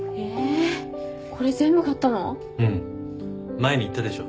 前に言ったでしょ？